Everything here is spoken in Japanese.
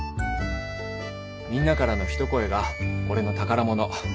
みんなからの一声が俺の宝物。